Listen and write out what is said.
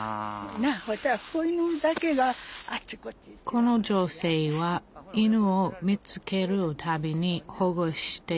この女性は犬を見つけるたびに保護してきました。